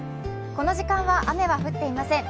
この時間は雨は降っていません。